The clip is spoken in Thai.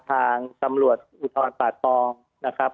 ทางตำรวจภูทรป่าตองนะครับ